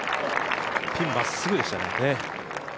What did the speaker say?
ピンまっすぐでしたね。